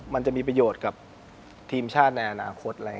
มันจะมีประโยชน์กับทีมชาติในอนาคต